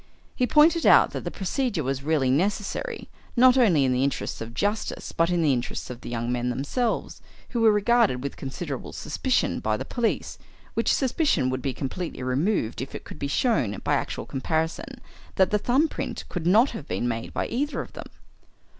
He pointed out that the procedure was really necessary, not only in the interests of justice but in the interests of the young men themselves, who were regarded with considerable suspicion by the police, which suspicion would be completely removed if it could be shown by actual comparison that the thumb print could not have been made by either of them.